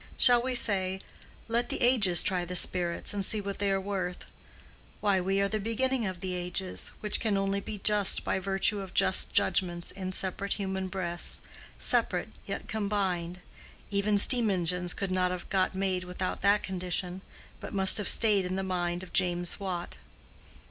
Shall we say, "Let the ages try the spirits, and see what they are worth?" Why, we are the beginning of the ages, which can only be just by virtue of just judgments in separate human breasts—separate yet combined. Even steam engines could not have got made without that condition, but must have stayed in the mind of James Watt.